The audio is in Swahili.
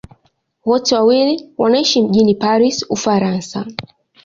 Wote wawili wanaishi mjini Paris, Ufaransa.